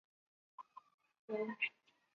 分为古传散手。